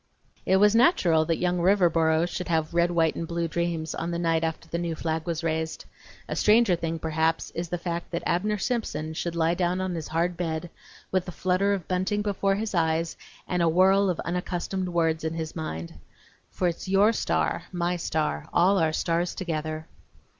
It was natural that young Riverboro should have red, white, and blue dreams on the night after the new flag was raised. A stranger thing, perhaps, is the fact that Abner Simpson should lie down on his hard bed with the flutter of bunting before his eyes, and a whirl of unaccustomed words in his mind. "For it's your star, my star, all our stars together."